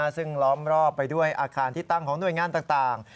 ซึ่งล้อมรอบไปด้วยอาคารที่ตั้งของหน่วยงานต่าง